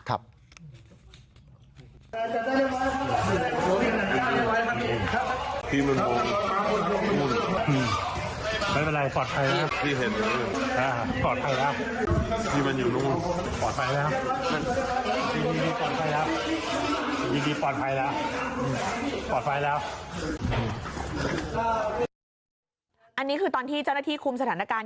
อันนี้คือตอนที่เจ้าหน้าที่คุมสถานการณ์